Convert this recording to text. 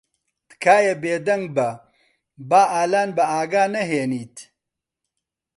تکایە بێدەنگ بە با ئالان بە ئاگا نەھێنیت.